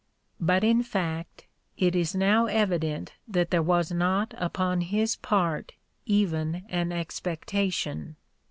But in fact it is now evident that there was not upon his part even an expectation.